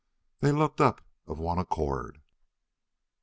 They looked up of one accord.